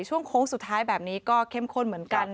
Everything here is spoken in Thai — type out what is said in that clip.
โค้งสุดท้ายแบบนี้ก็เข้มข้นเหมือนกัน